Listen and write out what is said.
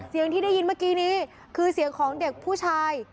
เสียงที่ได้ยินเมื่อกี้นี้คือเสียงของเด็กผู้ชาย